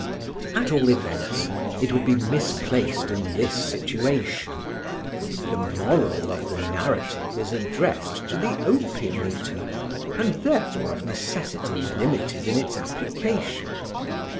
At all events, it would be misplaced in this situation. The moral of the narrative is addressed to the opium eater, and therefore of necessity limited in its application.